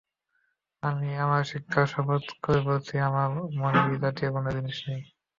আমি আমার শিক্ষার শপথ করে বলছি আমার মনে এ জাতীয় কোনও জিনিস নেই।